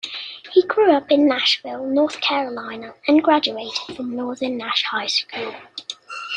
He grew up in Nashville, North Carolina and graduated from Northern Nash High School.